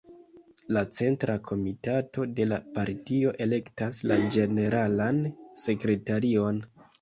La Centra Komitato de la partio elektas la Ĝeneralan Sekretarion.